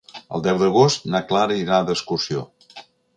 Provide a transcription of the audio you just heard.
El deu d'agost na Clara irà d'excursió.